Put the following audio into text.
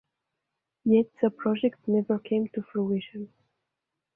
Yet the project never came to fruition.